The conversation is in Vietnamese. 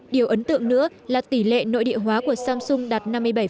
điều ấn tượng nữa là tỷ lệ nội địa hóa của samsung đạt năm mươi bảy